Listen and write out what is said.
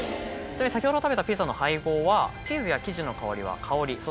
先ほど食べたピザの配合はチーズや生地の香りは「香り」。